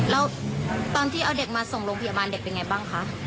แล้วตอนที่เอาเด็กมาส่งโรงพยาบาลเด็กเป็นไงบ้างคะ